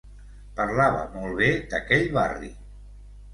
Parlava molt bé d'aquell barri.